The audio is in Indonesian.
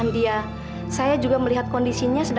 dia kemarin aku